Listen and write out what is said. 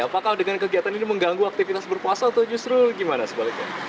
apakah dengan kegiatan ini mengganggu aktivitas berpuasa atau justru gimana sebaliknya